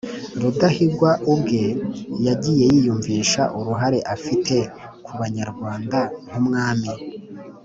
Rudahigwa ubwe yagiye yiyumvisha uruhare afite ku Banyarwanda nk'umwami,